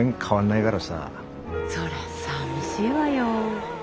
そりゃあさみしいわよ。